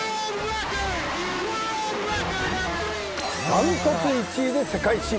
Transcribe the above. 断トツ１位で世界新！